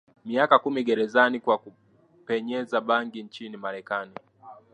miaka kumi gerezani kwa kupenyeza bangi nchini Marekani